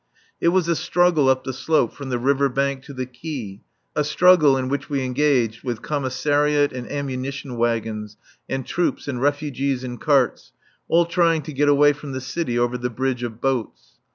It was a struggle up the slope from the river bank to the quay, a struggle in which we engaged with commissariat and ammunition wagons and troops and refugees in carts, all trying to get away from the city over the bridge of boats.